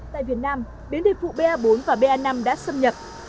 tại việt nam biến đề phụ ba bốn và ba năm đã xâm nhật